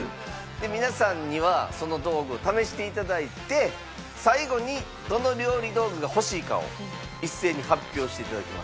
皆さんにはその道具を試していただいて最後にどの料理道具が欲しいかを一斉に発表していただきます。